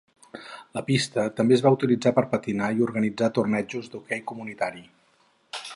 La pista també es va utilitzar per patinar i organitzar tornejos d'hoquei comunitari.